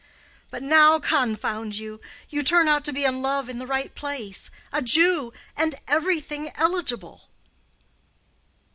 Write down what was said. But now, confound you! you turn out to be in love in the right place—a Jew—and everything eligible."